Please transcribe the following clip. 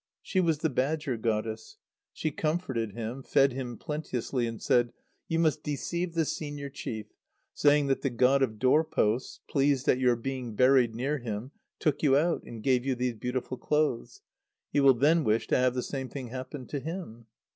She was the badger goddess. She comforted him, fed him plenteously, and said: "You must deceive the senior chief, saying that the god of door posts, pleased at your being buried near him, took you out, and gave you these beautiful clothes. He will then wish to have the same thing happen to him."